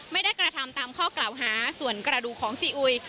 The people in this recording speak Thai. ไม่ได้กระทำตามข้อกล่าวหาส่วนกระดูกของซีอุย